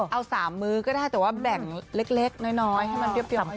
เอา๓มื้อก็ได้แต่ว่าแบ่งเล็กน้อยให้มันเรียบ